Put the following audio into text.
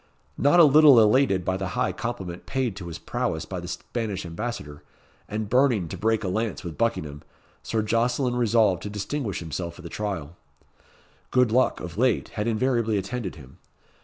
Not a little elated by the high compliment paid to his prowess by the Spanish Ambassador, and burning to break a lance with Buckingham, Sir Jocelyn resolved to distinguish himself at the trial. Good luck, of late, had invariably attended him.